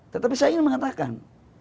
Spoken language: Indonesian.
tetapi saya ingin mengatakan